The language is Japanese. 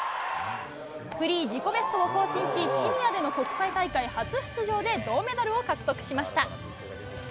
フリー自己ベストを更新し、シニアでの国際大会初出場で銅メダルを獲得しました。